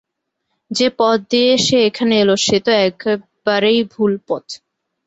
যে পথ দিয়ে সে এখানে এল সে তো একেবারেই ভুল পথ।